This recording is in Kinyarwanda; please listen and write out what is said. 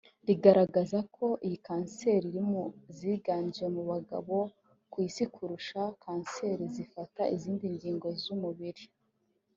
rigaragaza ko iyi kanseri iri mu ziganje mu bagabo ku isi kurusha kanseri zifata izindi ngingo z’umubiri